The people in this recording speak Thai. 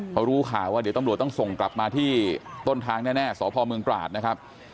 เขารู้ข่าวว่าเดี๋ยวตำรวจต้องส่งกลับมาที่ต้นทางแน่สพเมืองตราดนะครับ